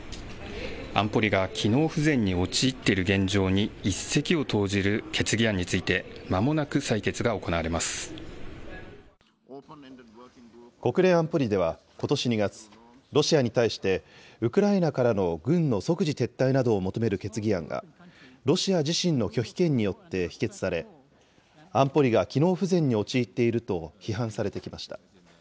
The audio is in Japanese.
安保理が機能不全に陥っている現状に一石を投じる決議案について、国連安保理ではことし２月、ロシアに対してウクライナからの軍の即時撤退などを求める決議案が、ロシア自身の拒否権によって否決され、安保理が機能不全に陥っていると批判されてきました。